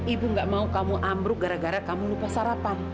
ibu gak mau kamu ambruk gara gara kamu lupa sarapan